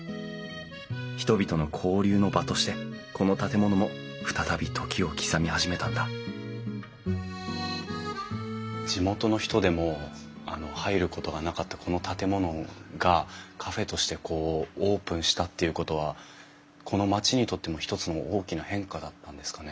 人々の交流の場としてこの建物も再び時を刻み始めたんだ地元の人でも入ることがなかったこの建物がカフェとしてオープンしたっていうことはこの町にとっても一つの大きな変化だったんですかね。